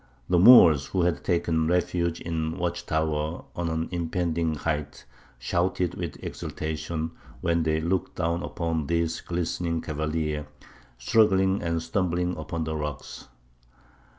The Moors, who had taken refuge in a watch tower on an impending height, shouted with exultation when they looked down upon these glistening cavaliers, struggling and stumbling among the rocks.